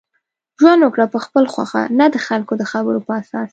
ژوند وکړه په خپله خوښه نه دخلکو دخبرو په اساس